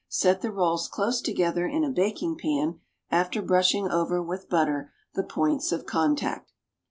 Set the rolls close together in a baking pan, after brushing over with butter the points of contact.